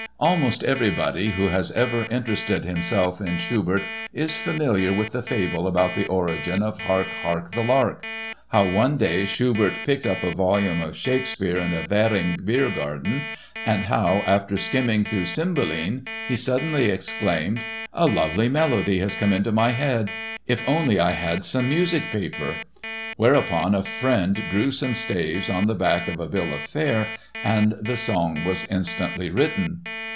_ Almost everybody who has ever interested himself in Schubert is familiar with the fable about the origin of Hark, hark, the Lark—how one day Schubert picked up a volume of Shakespeare in a Währing beer garden and how, after skimming through Cymbeline, he suddenly exclaimed: "A lovely melody has come into my head—if only I had some music paper!"; whereupon a friend drew some staves on the back of a bill of fare and the song was instantly written.